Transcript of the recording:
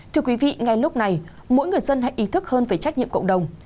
thưa quý vị ngay lúc này mỗi người dân hãy ý thức hơn về trách nhiệm cộng đồng